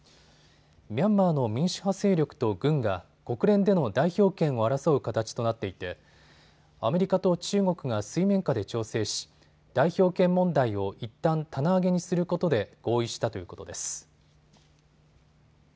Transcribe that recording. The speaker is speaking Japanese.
ミャンマーの民主派勢力と軍が国連での代表権を争う形となっていてアメリカと中国が水面下で調整し代表権問題をいったん棚上げにすることで合意したということです。